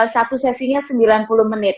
satu sesinya sembilan puluh menit